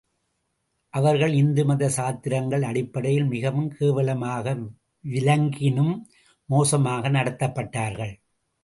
அவர்கள் இந்துமத சாத்திரங்கள் அடிப்படையில் மிகவும் கேவலமாக, விலங்கினும் மோசமாக நடத்தப்பட்டார்கள்.